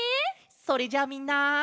それじゃあみんな。